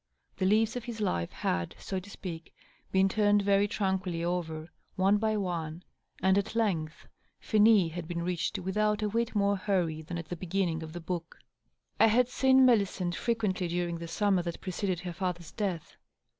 The leaves of his life had, so to speak, been turned very tranquilly over, one by one, and at length ^nis had been reached without a whit more hurry than at the b^inning of the book. I had seen Millicent frequently during the summer that preceded her father's death.